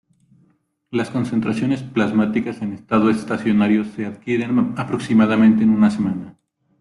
Las concentraciones plasmáticas en estado estacionario se adquieren aproximadamente en una semana.